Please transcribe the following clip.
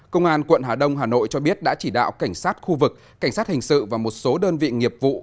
công an quận hà đông hà nội cho biết đã chỉ đạo cảnh sát khu vực cảnh sát hình sự và một số đơn vị nghiệp vụ